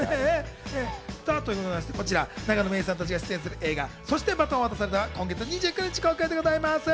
こちら永野芽郁さんたちが出演する映画『そして、バトンは渡された』は今月２９日公開でございます。